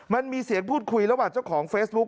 มันมีเสียงพูดคุยระหว่างเจ้าของเฟซบุ๊ค